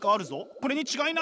これに違いない！